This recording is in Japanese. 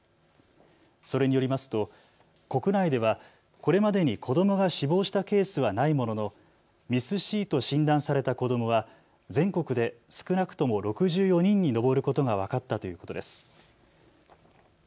それによりますと国内ではこれまでに子どもが死亡したケースはないもののＭＩＳ−Ｃと診断された子どもは全国で少なくとも６４人に上ることが分かったということです。